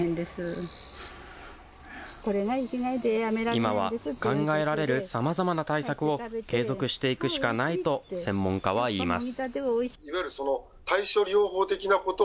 今は、考えられるさまざまな対策を継続していくいかないと専門家は言います。